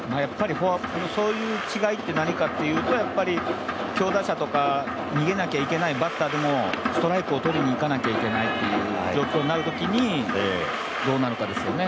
そういう違いってなにかというと強打者とか、逃げなきゃいけないバッターでもストライクを取りに行かないといけないという状況のときにどうなのかですよね。